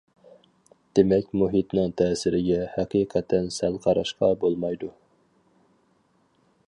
دېمەك مۇھىتنىڭ تەسىرىگە ھەقىقەتەن سەل قاراشقا بولمايدۇ.